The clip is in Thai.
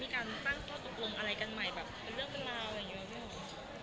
เป็นเรื่องปัญหาหรืออย่างเงี้ย